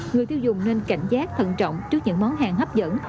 người tiêu dùng nên cảnh giác thận trọng trước những món hàng hấp dẫn